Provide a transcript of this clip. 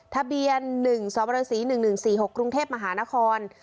ทะเบียนหนึ่งสวรรษีหนึ่งหนึ่งสี่หกกรุงเทพมหานคร